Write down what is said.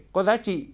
có giá trị